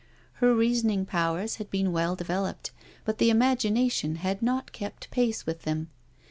Her reasoning powers had been well developed, but the imagination had not kept pace with them.